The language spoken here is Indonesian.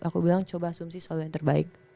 aku bilang coba asumsi selalu yang terbaik